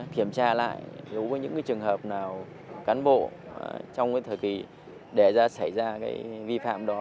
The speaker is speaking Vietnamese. kiểm tra lại nếu có những trường hợp nào cán bộ trong thời kỳ để xảy ra vi phạm đó